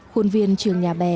hôn viên trường nhà bè